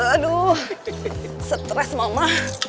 aduh stres mama